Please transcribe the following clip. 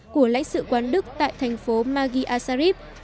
của lãnh sự quán đức tại thành phố maghi asarif